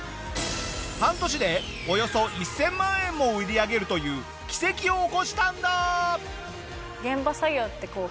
半年でおよそ１０００万円も売り上げるという奇跡を起こしたんだ！